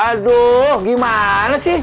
aduh gimana sih